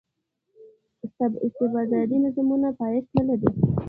استبدادي نظامونه پایښت نه لري.